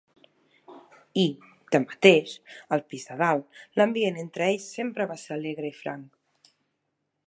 I, tanmateix, al pis de dalt, l'ambient entre ells sempre va ser alegre i franc.